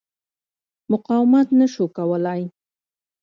مقاومت نه شو کولای.